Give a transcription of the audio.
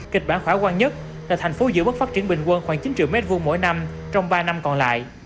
kịch bản khỏa quan nhất là tp hcm giữ bất phát triển bình quân khoảng chín triệu m hai mỗi năm trong ba năm còn lại